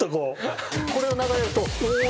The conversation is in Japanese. これが流れると。